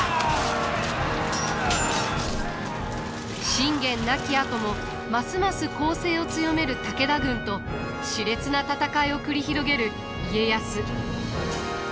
信玄亡きあともますます攻勢を強める武田軍としれつな戦いを繰り広げる家康。